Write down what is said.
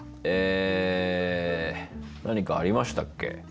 え何かありましたっけ？